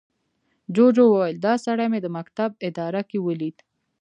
جوجو وويل، دا سړي مې د مکتب اداره کې ولید.